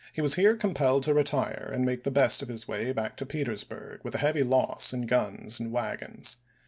was here compelled to retire and make the best of his way back to Petersburg, with a heavy loss in guns and wagons.